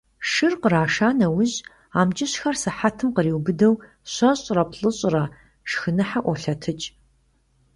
Шыр къраша нэужь, амкӀыщхэр сыхьэтым къриубыдэу щэщӏрэ-плӏыщӏрэ шхыныхьэ ӀуолъэтыкӀ.